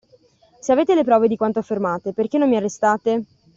Se avete le prove di quanto affermate, perché non mi arrestate?